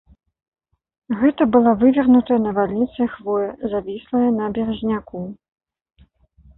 Гэта была вывернутая навальніцай хвоя, завіслая на беразняку.